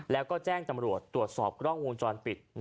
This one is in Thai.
แล้วก็แจ้งจำรวจตรวจสอบกล้องวงจรปิด